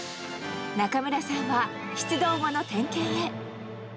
中村さんは出動後の点検へ。